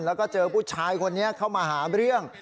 แล้วก็เจอผู้ชายคนนี้เข้ามาหาเรื่อง